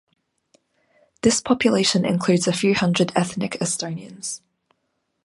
This population includes a few hundred ethnic Estonians.